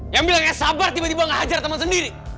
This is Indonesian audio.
yang bilang kayak sabar tiba tiba ngehajar temen sendiri